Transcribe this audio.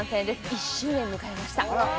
１周年を迎えました。